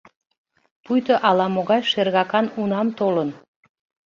Пуйто ала-могай шергакан унам толын.